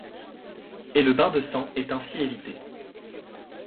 Et le bain de sang est ainsi évité.